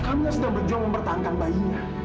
kami sudah berjuang mempertahankan bayinya